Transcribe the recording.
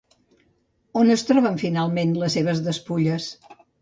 On es troben finalment les seves despulles?